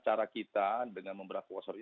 cara kita dengan membuat